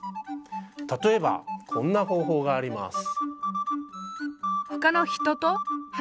例えばこんな方法があります。